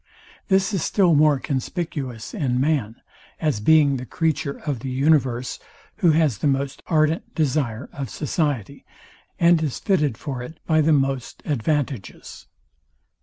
This is still more conspicuous in man, as being the creature of the universe, who has the most ardent desire of society, and is fitted for it by the most advantages.